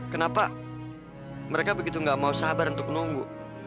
kenapa mereka begitu gak mau sabar untuk menunggu